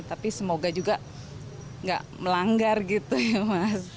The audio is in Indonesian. tapi semoga juga nggak melanggar gitu ya mas